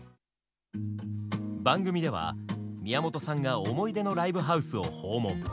番組では宮本さんが思い出のライブハウスを訪問。